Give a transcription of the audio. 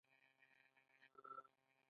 ایا زه باید سټي سکن وکړم؟